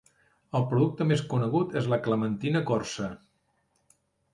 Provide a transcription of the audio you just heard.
El producte més conegut és la clementina corsa.